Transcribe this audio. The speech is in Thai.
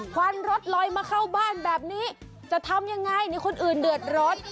ควันรถลอยมาเข้าบ้านแบบนี้จะทำอย่างไรคุณอื่นเดือดรถ